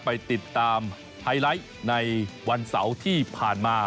ไปติดตามไฮไลท์ในวันเสาร์ที่ผ่านมา